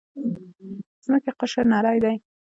د ځمکې قشر نری دی.